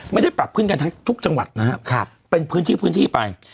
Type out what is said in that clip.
ไม่ได้ปรับขึ้นกันทั้งทุกจังหวัดนะครับเป็นพื้นที่พื้นที่ไป